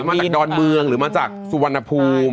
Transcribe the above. มาจากดอนเมืองหรือมาจากสุวรรณภูมิ